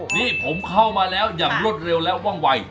นี่ผมเข้ามาแล้วอย่างรวดเร็วและว่องวัย